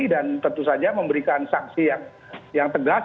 dan tentu saja memberikan saksi yang tegas